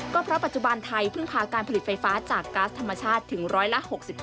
ก็เพราะปัจจุบันไทยเพิ่งพาการผลิตไฟฟ้าจากก๊าซธรรมชาติถึงร้อยละ๖๕